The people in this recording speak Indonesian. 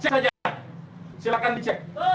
cek saja silahkan dicek